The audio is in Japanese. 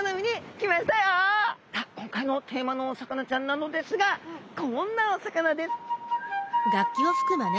今回のテーマのお魚ちゃんなのですがこんなお魚です。